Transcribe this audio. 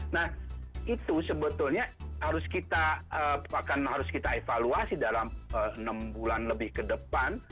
nah itu sebetulnya harus kita evaluasi dalam enam bulan lebih ke depan